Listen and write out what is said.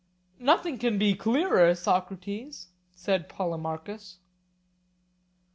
Nothing can be clearer, Socrates, said Polemarchus.